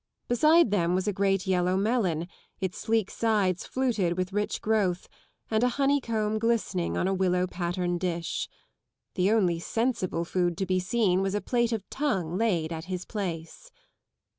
Besides them was a great yellow melon, its sleek sides fluted with rich growth, and a honey* comb glistening on a willow pattern dish. The only sensible food to be seen was a plate of tongue laid at his place.